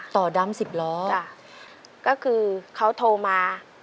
ต่อดำ๑๐ล้อค่ะค่ะก็คือเขาโทรมา